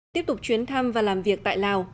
tiếp tục chuyến thăm và làm việc tại lào